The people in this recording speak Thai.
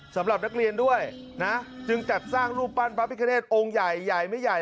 สำหรับนักเรียนด้วยจึงจัดสร้างรูปปั้นฟาร์ปิกาเนสโองใหญ่ใหม่ใหญ่